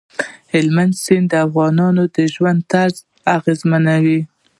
هلمند سیند د افغانانو د ژوند طرز اغېزمنوي.